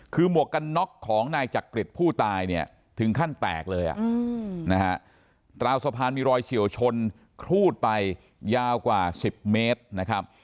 คือหมวกกันน็อกของนายจักริตผู้ตายเนี่ยถึงขั้นแตกเลยนะฮะราวสะพานมีรอยเฉียวชนครูดไปยาวกว่า๑๐เมตรนะครับ